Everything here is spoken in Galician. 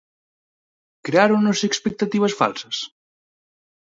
Creáronnos expectativas falsas?